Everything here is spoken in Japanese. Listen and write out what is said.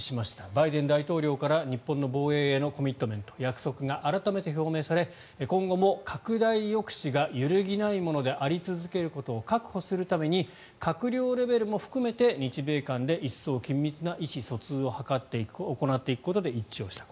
バイデン大統領から日本の防衛へのコミットメント、約束が改めて表明され今後も拡大抑止がゆるぎないものであり続けることを確保するために閣僚レベルも含めて日米間で一層緊密な意思疎通を行っていくことで一致した。